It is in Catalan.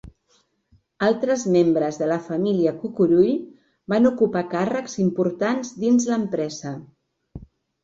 Altres membres de la família Cucurull van ocupar càrrecs importants dins l’empresa.